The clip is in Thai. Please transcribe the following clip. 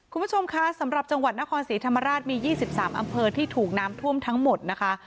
คุณผู้ชมคะสำหรับจังหวัดนครศรีธรรมราชมี๒๓อำเภอที่ถูกน้ำท่วมทั้งหมดนะคะ